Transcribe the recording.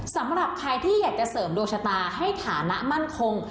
สำหรับใครที่อยากจะเสริมดวงชะตาให้ฐานะมั่นคง